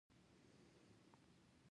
هغوی د عدالت غوښتنه رد کړه.